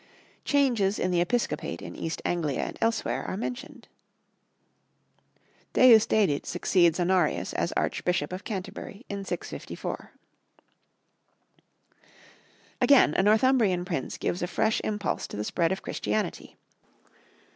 Changes in the episcopate in East Anglia and elsewhere are mentioned. Deusdedit succeeds Honorius as Archbishop of Canterbury in 654. Again, a Northumbrian prince gives a fresh impulse to the spread of Christianity.